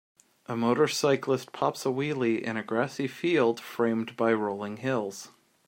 A motorcyclist pops a wheelie in a grassy field framed by rolling hills